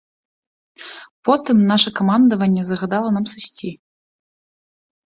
Потым наша камандаванне загадала нам сысці.